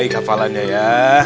nanti kapalannya ya